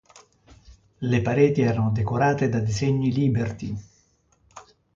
Le pareti erano decorate da disegni liberty.